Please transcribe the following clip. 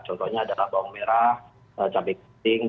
contohnya adalah bawang merah cabai ketinggi